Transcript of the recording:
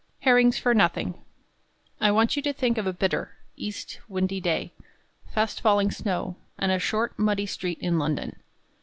"HERRINGS FOR NOTHING" I want you to think of a bitter, east windy day, fast falling snow, and a short, muddy street in London.